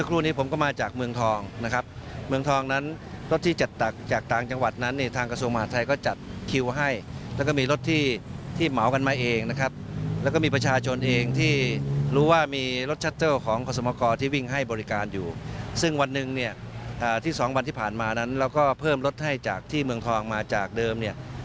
เราก็เพิ่มรถให้จากที่เมืองทองมาจากเดิม